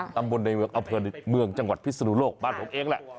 ตรงบนในเมืองเอาเพลินเมืองจังหวัดพิษฎุโลกบ้านผมเองแหละ